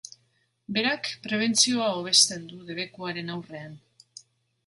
Berak prebentzioa hobesten du debekuaren aurrean.